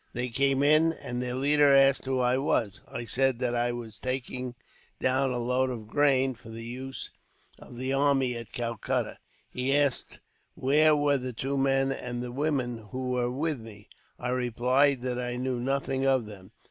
They came in, and their leader asked who I was. I said that I was taking down a load of grain, for the use of the army at Calcutta. He asked where were the two men and the woman who were with me. I replied that I knew nothing of them.